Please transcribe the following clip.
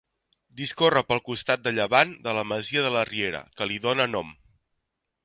Discorre pel costat de llevant de la masia de la Riera, que li dóna nom.